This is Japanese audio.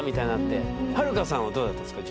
はるかさんはどうだったんですか？